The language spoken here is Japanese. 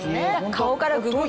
顔からググ